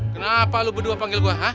kenapa lu berdua panggil gua